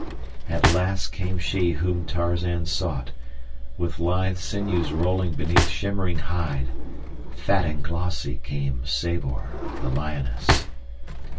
At last came she whom Tarzan sought, with lithe sinews rolling beneath shimmering hide; fat and glossy came Sabor, the lioness.